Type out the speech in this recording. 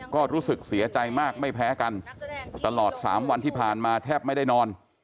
ก็รู้สึกเสียใจมากไม่แพ้กันตลอด๓วันที่ผ่านมาแทบไม่ได้นอน